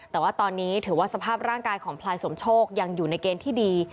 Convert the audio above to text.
แต่ว่าตอนนี้ถือว่าสภาพร่างกายของพลายสมโชคยังอยู่ในเกณฑ์ที่ดี